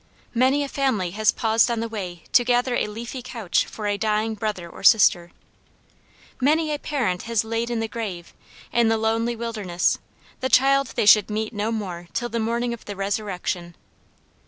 Many a family has paused on the way to gather a leafy couch for a dying brother or sister. Many a parent has laid in the grave, in the lonely wilderness, the child they should meet no more till the morning of the resurrection.